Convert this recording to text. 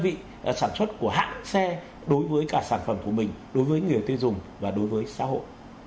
vị sản xuất của hãng xe đối với cả sản phẩm của mình đối với người tiêu dùng và đối với xã hội